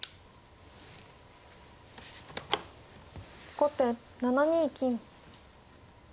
後手７二金。